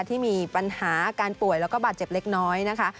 ที่มีปัญหาการป่วยแล้วก็บาดเจ็บเล็กน้อยนะคะ